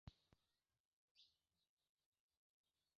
La sekva jaro li montris ke kloro, estas simpla elemento.